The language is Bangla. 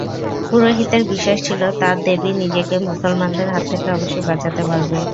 পুরোহিতের বিশ্বাস ছিল, তার দেবী নিজেকে মুসলমানদের হাত থেকে অবশ্যই বাঁচাতে পারবে।